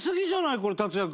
これ、達哉君。